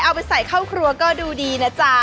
เอาไปใส่เข้าครัวก็ดูดีนะจ๊ะ